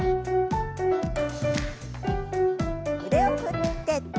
腕を振って。